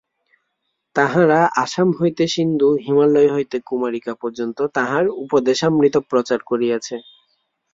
তাহারা আসাম হইতে সিন্ধু, হিমালয় হইতে কুমারিকা পর্যন্ত তাঁহার উপদেশামৃত প্রচার করিয়াছে।